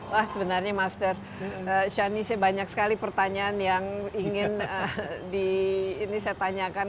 wah sebenarnya master shani saya banyak sekali pertanyaan yang ingin di ini saya tanyakan